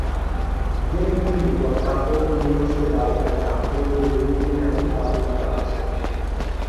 Viene quindi portato in un ospedale da campo dove gli viene amputato il braccio.